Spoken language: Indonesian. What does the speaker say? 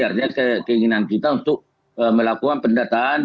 artinya keinginan kita untuk melakukan pendataan